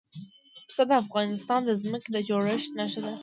پسه د افغانستان د ځمکې د جوړښت نښه ده.